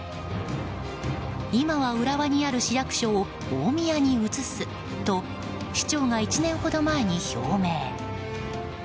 今は浦和にある市役所を大宮に移すと市長が１年ほど前に表明。